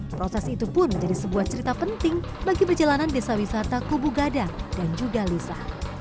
proses itu pun menjadi sebuah cerita penting bagi perjalanan desa wisata kubu gadang dan juga lisa